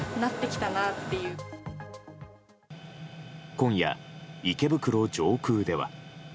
今夜、池袋上空では。